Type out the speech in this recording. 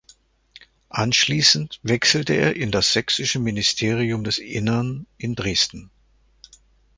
Anschließend wechselte er in das sächsische Ministerium des Innern in Dresden.